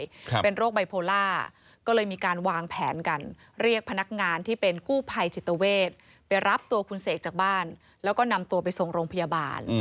ครับเป็นโรคไบโพล่าก็เลยมีการวางแผนกันเรียกพนักงานที่เป็นกู้ภัยจิตเวทไปรับตัวคุณเสกจากบ้านแล้วก็นำตัวไปส่งโรงพยาบาล